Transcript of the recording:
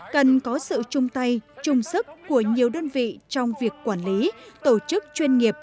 cần có sự chung tay chung sức của nhiều đơn vị trong việc quản lý tổ chức chuyên nghiệp